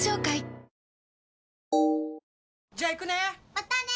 またね！